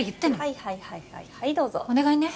はいはいはいはいはいどうぞお願いね